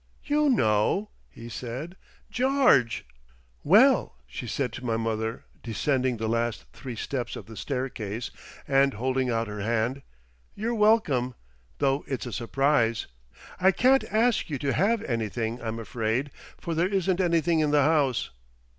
"You know," he said. "George." "Well," she said to my mother, descending the last three steps of the staircase and holding out her hand! "you're welcome. Though it's a surprise.... I can't ask you to have anything, I'm afraid, for there isn't anything in the house."